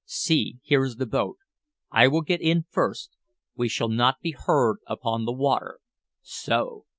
See, here is the boat. I will get in first. We shall not be heard upon the water. So."